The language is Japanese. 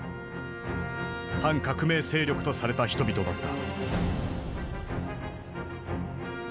反革命勢力とされた人々だった。